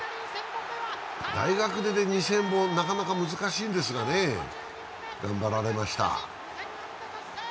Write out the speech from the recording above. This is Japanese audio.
大学出で２０００本はなかかな難しいんですがね、頑張られました。